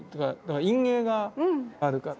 陰影があるから。